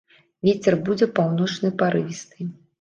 Вецер будзе паўночны парывісты.